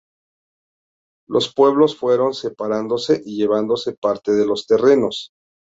Los pueblos fueron separándose y llevándose parte de los terrenos.